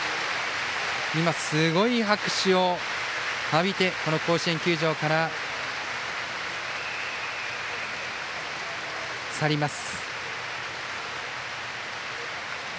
すごい拍手を浴びて甲子園球場から去ります。